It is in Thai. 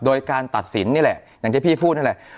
โดยการตัดสินนี่แหละอย่างที่พี่พูดนั่นแหละ